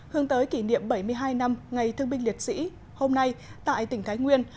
hướng tới kỷ niệm bảy mươi hai năm ngày thương binh liệt sĩ hôm nay tại tỉnh thái nguyên